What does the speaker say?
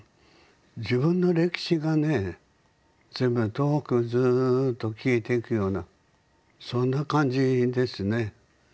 自分の歴史がね随分遠くずっと消えていくようなそんな感じですね。